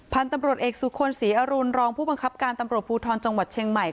พันธุ์ตำรวจเอกสุคลศรีอรุณรองผู้บังคับการตำรวจภูทรจังหวัดเชียงใหม่